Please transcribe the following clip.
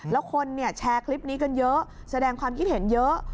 แล้วคนแชร์คลิปนี้กันเยอะแสดงความคิดเห็นเยอะ